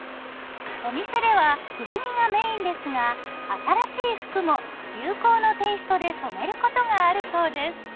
お店では古着がメインですが新しい服も流行のテイストで染めることがあるそうです。